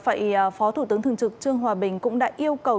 vâng ạ vậy phó thủ tướng thường trực trương hòa bình cũng đã yêu cầu